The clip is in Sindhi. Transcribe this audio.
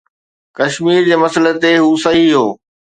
ڪشمير جي مسئلي تي هو صحيح هو